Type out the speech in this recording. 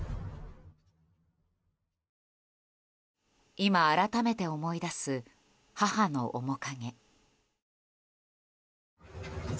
今、改めて思い出す母の面影。